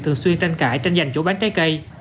thường xuyên tranh cãi tranh giành chỗ bán trái cây